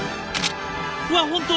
うわ本当！